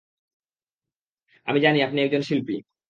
আমি জানি আপনি একজন শিল্পী!